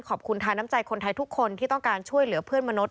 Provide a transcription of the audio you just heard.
ขอบคุณทาน้ำใจคนไทยทุกคนที่ต้องการช่วยเหลือเพื่อนมนุษย